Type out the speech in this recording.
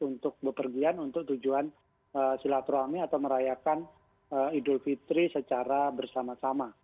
untuk bepergian untuk tujuan silaturahmi atau merayakan idul fitri secara bersama sama